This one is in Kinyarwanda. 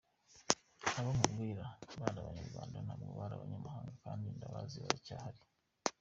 Abo nkubwira bari Abanyarwanda ntabwo bari abanyamahanga , kandi ndabazi baracyahari.”